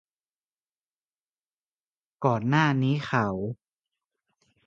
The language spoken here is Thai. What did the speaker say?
ก่อนหน้านี้เขา